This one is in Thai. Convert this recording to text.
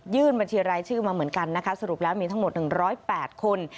บัญชีรายชื่อมาเหมือนกันนะคะสรุปแล้วมีทั้งหมด๑๐๘คน